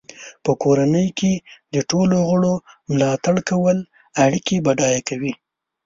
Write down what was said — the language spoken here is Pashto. په کورنۍ کې د ټولو غړو ملاتړ کول اړیکې بډای کوي.